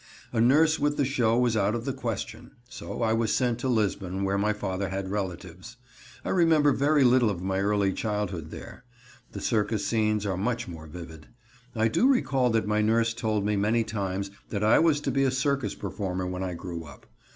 A nurse with the show was out of the question. So I was sent to Lisbon, where my father had relatives. I remember very little of my early childhood there. The circus scenes are much more vivid. I do recall that my nurse told me many times that I was to be a circus performer when I grew up.